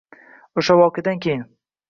Oʻsha voqeadan keyin u loqayd boʻlib qoldi